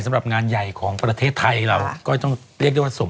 สำหรับงานใหญ่ของประเทศไทยก็จะไม่เมื่อสม